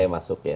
saya masuk ya